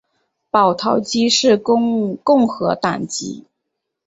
保陶基是共和党籍。